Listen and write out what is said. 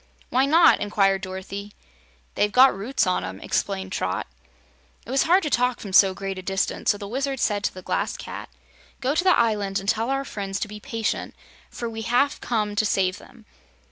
"Why not?" inquired Dorothy. "They've got roots on 'em," explained Trot. It was hard to talk from so great a distance, so the Wizard said to the Glass Cat: "Go to the island and tell our friends to be patient, for we have come to save them.